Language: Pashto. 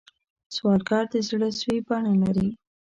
سوالګر د زړه سوې بڼه لري